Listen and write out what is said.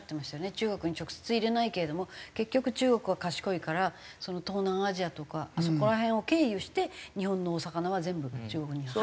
中国に直接入れないけれども結局中国は賢いから東南アジアとかあそこら辺を経由して日本のお魚は全部中国に入ってて。